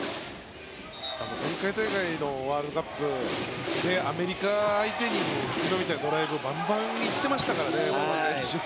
前回大会のワールドカップでアメリカ相手に今みたいなドライブバンバン行ってましたからね。